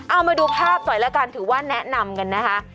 เอามาดูภาพหน่อยแล้วกันถือว่าแนะนำกันนะคะ